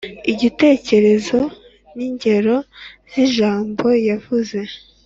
igitekerezo n’ingero z’ijambo yavuze